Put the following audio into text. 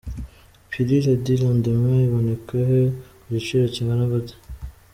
Pilule du lendemain iboneka he ?Ku giciro kingana gute?.